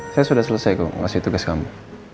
saya sudah selesai kok masih tugas kamu